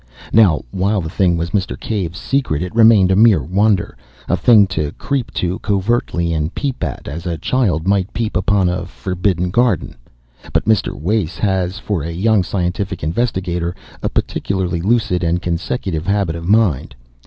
Now, while the thing was Mr. Cave's secret, it remained a mere wonder, a thing to creep to covertly and peep at, as a child might peep upon a forbidden garden. But Mr. Wace has, for a young scientific investigator, a particularly lucid and consecutive habit of mind.